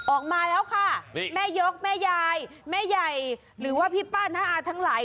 ออกมาแล้วค่ะแม่ยกแม่ยายแม่ใหญ่หรือว่าพี่ป้าน้าอาทั้งหลาย